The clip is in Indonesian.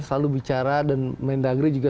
selalu bicara dan mendagri juga